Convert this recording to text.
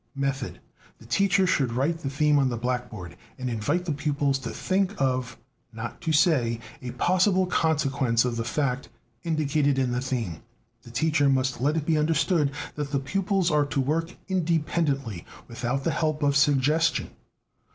"Method. The teacher should write the theme on the blackboard, and invite the pupils to think of (not to say) a possible consequence of the fact indicated in the theme. The teacher must let it be understood that the pupils are to work independently, without the help of suggestion.